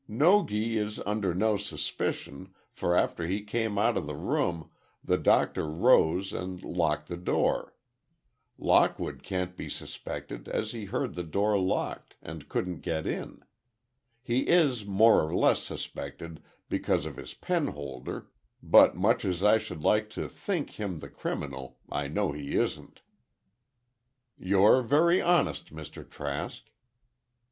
Nogi is under no suspicion, for after he came out of the room, the Doctor rose and locked the door. Lockwood can't be suspected, as he heard the door locked, and couldn't get in. He is more or less suspected because of his penholder, but much as I should like to think him the criminal, I know he isn't." "You're very honest, Mr. Trask."